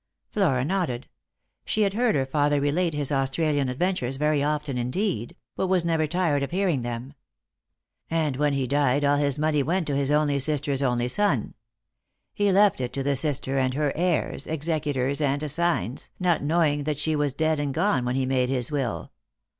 Flora nodded. She had heard her father relate his Australian adventures very often indeed, but was never tired of hearing them. " And when he died all his money went to his only sister's only son. He left it to the sister, and her heirs, executors, and assigns, not knowing that she was dead and gone when he made his will.